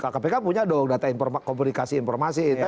kpk punya dong data komunikasi informasi